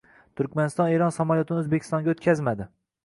Turkmaniston Eron samolyotini O‘zbekistonga o‘tkazmadi